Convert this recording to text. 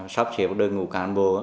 sắp xếp đội ngũ cán bộ